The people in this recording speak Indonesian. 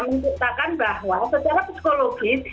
menciptakan bahwa secara psikologis